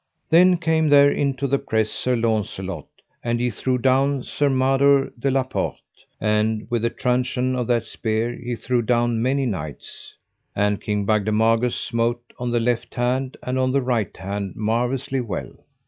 Then came there into the press Sir Launcelot, and he threw down Sir Mador de la Porte. And with the truncheon of that spear he threw down many knights. And King Bagdemagus smote on the left hand and on the right hand marvellously well.